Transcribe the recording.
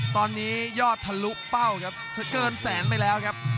ตอนนี้ยอดทะลุเป้าครับเธอเกินแสนไปแล้วครับ